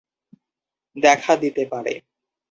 দেখা দিতে পারে।